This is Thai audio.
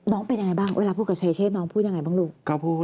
เป็นยังไงบ้างเวลาพูดกับชายเชษน้องพูดยังไงบ้างลูก